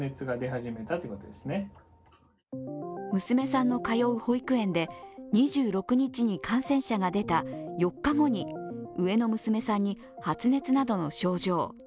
娘さんの通う保育園で２６日に感染者が出た４日後に上の娘さんに発熱などの症状。